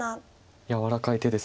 柔らかい手です。